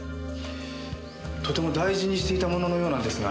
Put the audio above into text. とても大事にしていたもののようなんですが。